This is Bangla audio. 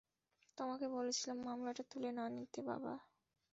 তোমাকে বলেছিলাম মামলাটা তুলে না নিতে, বাবা।